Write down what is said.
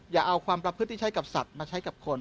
อย่าเอาความประพฤติที่ใช้กับสัตว์มาใช้กับคน